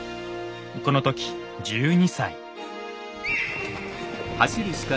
この時１２歳。